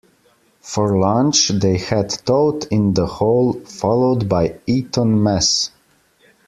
For lunch, they had toad-in-the-hole followed by Eton mess